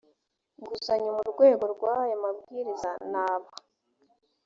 nguzanyo mu rwego rw aya mabwiriza ni aba